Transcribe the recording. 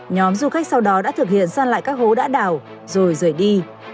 nhóm du khách sau đó đã thực hiện săn lại các hố đã đảo rồi rời đi